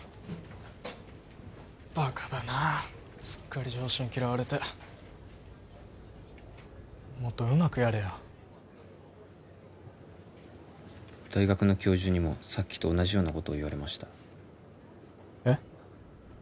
バカだなすっかり上司に嫌われてもっとうまくやれよ大学の教授にもさっきと同じようなことを言われましたえっ？